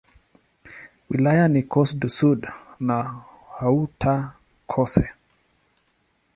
Wilaya ni Corse-du-Sud na Haute-Corse.